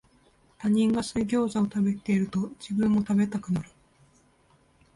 他人が水ギョウザを食べてると、自分も食べたくなる